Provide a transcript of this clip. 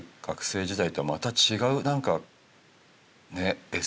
学生時代とはまた違う何かね